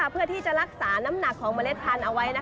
เพื่อที่จะรักษาน้ำหนักของเมล็ดพันธุ์เอาไว้